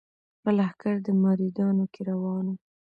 په لښکر د مریدانو کي روان وو